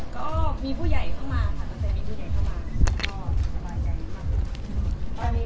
ก็มีผู้ใหญ่เข้ามาค่ะตอนนี้มีผู้ใหญ่เข้ามา